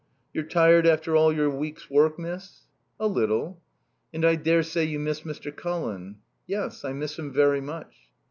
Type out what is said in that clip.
"You're tired after all your week's work, miss?" "A little." "And I dare say you miss Mr. Colin?" "Yes, I miss him very much."